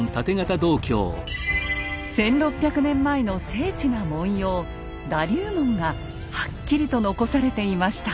１，６００年前の精緻な文様「だ龍文」がはっきりと残されていました。